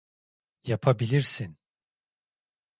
Yapabilirsin.